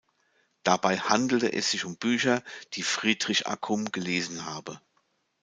Dabei handele es sich um Bücher, die Friedrich Accum gelesen habe.